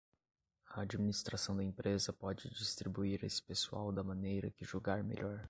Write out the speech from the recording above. A administração da empresa pode distribuir esse pessoal da maneira que julgar melhor.